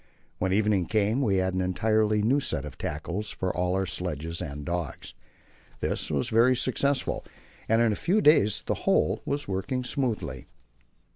When evening came we had an entirely new set of tackle for all our sledges and dogs. This was very successful, and in a few days the whole was working smoothly.